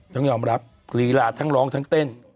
ทำยอมรับรีหราตั้งร้องทั้งเต้น